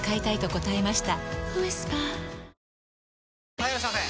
・はいいらっしゃいませ！